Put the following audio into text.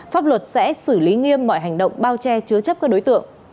pháp luật sẽ xử lý nghiêm mọi hành động bao che chứa chấp các đối tượng